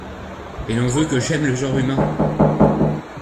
Et l’on veut que j’aime le genre humain !